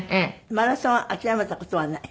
マラソンは諦めた事はない？